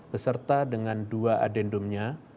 beserta dengan dua adendumnya